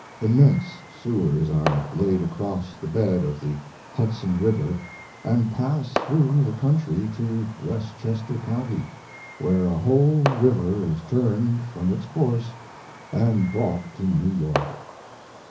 Immense sewers are laid across the bed of the Hudson River, and pass through the country to Westchester County, where a whole river is turned from its course and brought to New York.